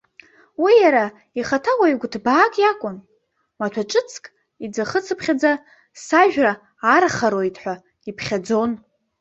Уи иара ихаҭа уаҩ гәыҭбаак иакәын, маҭәа ҿыцк иӡахыцыԥхьаӡа сажәра архароит ҳәа иԥхьаӡон.